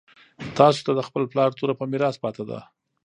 تاسو ته د خپل پلار توره په میراث پاتې ده.